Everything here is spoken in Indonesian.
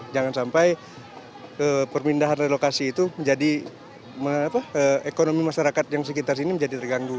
jangan sampai perpindahan relokasi itu menjadi ekonomi masyarakat yang sekitar sini menjadi terganggu